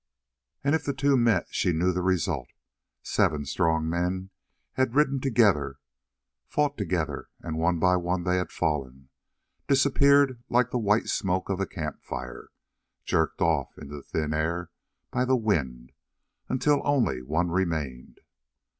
And if the two met she knew the result. Seven strong men had ridden together, fought together, and one by one they had fallen, disappeared like the white smoke of the camp fire, jerked off into thin air by the wind, until only one remained.